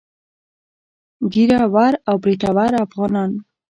ږيره ور او برېتور افغانان.